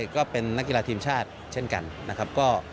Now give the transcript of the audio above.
ก็เป็นนักกีฬาทีมชาติเช่นกันนะครับ